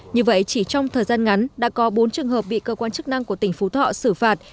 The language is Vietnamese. như vậy chỉ trong thời gian ngắn đã có bốn trường hợp bị cơ quan chức năng của tỉnh phú thọ xử phạt